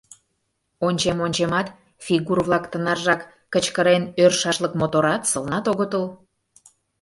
— Ончем-ончемат, фигур-влак тынаржак кычкырен ӧршашлык моторат, сылнат огытыл...